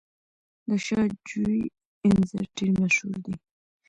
د شاه جوی انځر ډیر مشهور دي.